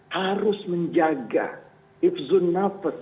harus menjaga ibn nafas